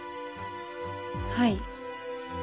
はい。